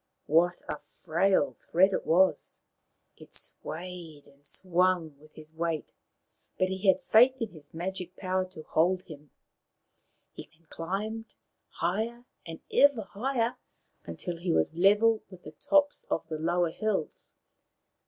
What a frail thread it was ! It swayed and swung with his weight, but he had faith in its magic power to hold him. He clung and climbed, higher and ever higher, until he was level with the tops of the lower hills.